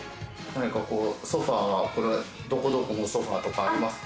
ソファはどこどこのソファとかありますか？